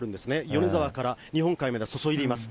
米沢から日本海まで注いでいます。